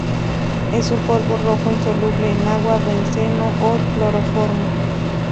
Es un polvo rojo insoluble en agua, benceno o cloroformo.